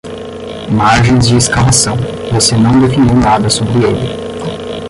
Margens de escavação, você não definiu nada sobre ele.